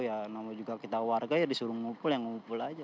ya nama juga kita warga ya disuruh mengumpul ya mengumpul saja